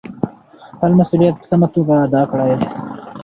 خپل مسؤلیت په سمه توګه ادا کړئ.